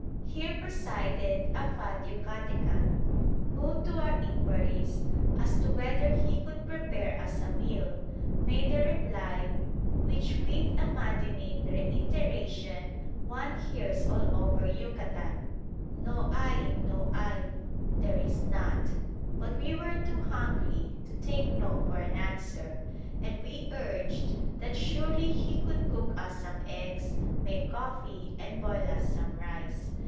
Here presided a fat Yucatecan, who to our inquiries as to whether he could prepare us a meal made the reply which with a maddening reiteration one hears all over Yucatan: "No hay; no hay" ("There is not"). But we were too hungry to take "no" for an answer, and we urged that surely he could cook us some eggs, make coffee, and boil us some rice.